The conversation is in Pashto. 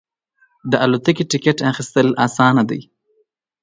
د الوتکې ټکټ اخیستل اسانه دی.